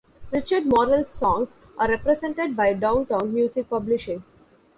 Richard Morel's songs are represented by Downtown Music Publishing.